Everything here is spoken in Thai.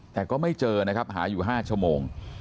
แต่ก็ไม่เจอนะครับหาอยู่๕ชั่วโมง